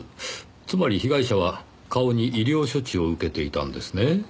つまり被害者は顔に医療処置を受けていたんですね。